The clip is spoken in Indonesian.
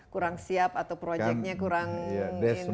kurang siap atau proyeknya kurang ini